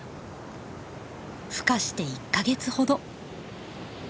ふ化して１か月ほど。